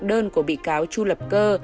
đơn của bị cáo chu lập cơ